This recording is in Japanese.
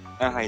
はい。